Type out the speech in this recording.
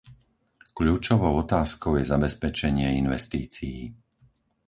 Kľúčovou otázkou je zabezpečenie investícií.